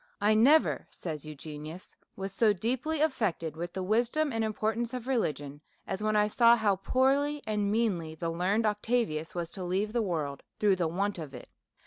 " 1 never," says Eugenius, '' was so deeply affected with the wisdom and importance of religion as when I saw how poorly and meanly the learned Octavius was to leave the world through the want of it.